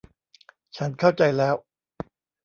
ฉันเข้าใจแล้ว